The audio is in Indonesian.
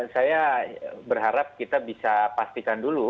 saya berharap kita bisa pastikan dulu